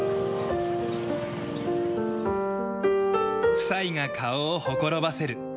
夫妻が顔をほころばせる。